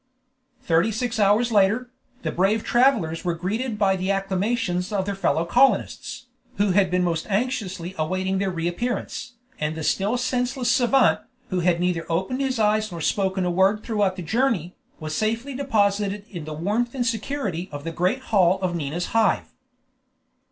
Thirty six hours later, the brave travelers were greeted by the acclamations of their fellow colonists, who had been most anxiously awaiting their reappearance, and the still senseless savant, who had neither opened his eyes nor spoken a word throughout the journey, was safely deposited in the warmth and security of the great hall of Nina's Hive.